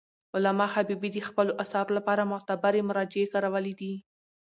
علامه حبیبي د خپلو اثارو لپاره معتبري مراجع کارولي دي.